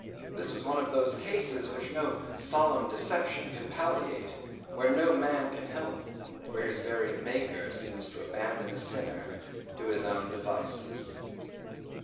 This was one of those cases which no solemn deception can palliate, where no man can help; where his very Maker seems to abandon a sinner to his own devices.